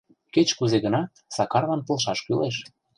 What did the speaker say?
«Кеч-кузе гынат, Сакарлан полшаш кӱлеш...